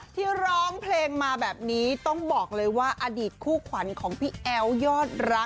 ที่ร้องเพลงมาแบบนี้ต้องบอกเลยว่าอดีตคู่ขวัญของพี่แอ๋วยอดรัก